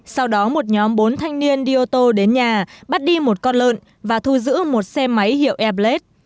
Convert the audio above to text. sau đó một nhóm bốn thanh niên đi ô tô đến nhà bắt đi một con lợn và thu giữ một xe máy hiệu airblade